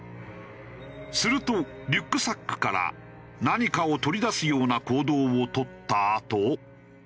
するとリュックサックから何かを取り出すような行動を取ったあと。